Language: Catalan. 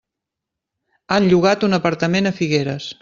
Han llogat un apartament a Figueres.